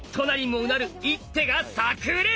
もうなる一手がさく裂！